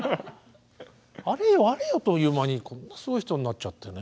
あれよあれよという間にこんなすごい人になっちゃってね。